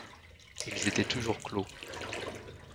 Ils étaient toujours clos.